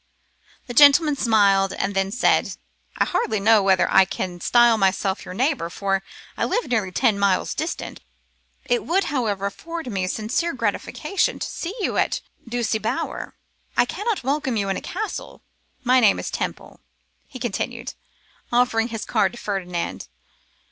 The gentleman smiled, and then said, 'I hardly know whether I can style myself your neighbour, for I live nearly ten miles distant. It would, however, afford me sincere gratification to see you at Ducie Bower. I cannot welcome you in a castle. My name is Temple,' he continued, offering his card to Ferdinand.